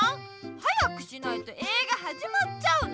早くしないと映画はじまっちゃうのに！